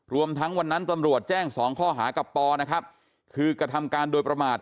รวมทั้งวันนั้นตำรวจแจ้งสองข้อหากับปอนะครับคือกระทำการโดยประมาท